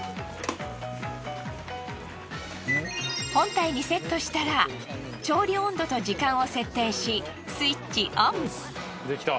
本体にセットしたら調理温度と時間を設定しスイッチオン。